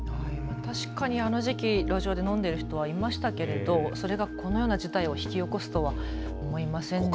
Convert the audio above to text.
確かにあの時期、路上で飲んでいる人はいましたけどそれがこのような事態を引き起こすとは思いませんでした。